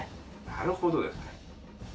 なるほどですね。